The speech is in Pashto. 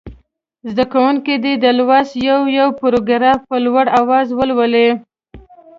زده کوونکي دې د لوست یو یو پاراګراف په لوړ اواز ولولي.